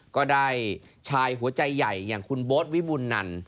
ก็ได้ชายหัวใจใหญ่อย่างคุณโบ๊ทวิบุญนัน